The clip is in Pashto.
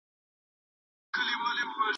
پانګه د سپما د کمښت له امله کمه وي.